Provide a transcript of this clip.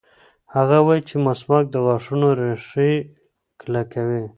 هغه وایي چې مسواک د غاښونو ریښې کلکوي.